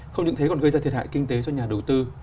không những thế còn gây ra thiệt hại kinh tế cho nhà đầu tư